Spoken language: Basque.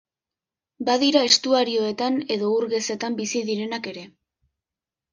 Badira estuarioetan edo ur gezatan bizi direnak ere.